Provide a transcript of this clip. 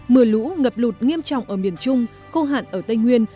mưa lũ ngập lụt nghiêm trọng ở miền trung khô hạn ở tây nguyên